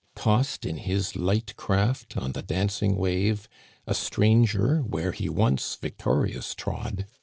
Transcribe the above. Tossed in his light craft on the dancing wave; A stranger where he once victorious trod.